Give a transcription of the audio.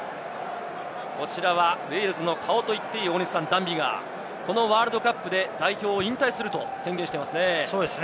こちらはウェールズの顔と言っていいダン・ビガー、このワールドカップで代表引退をすると宣言していますね。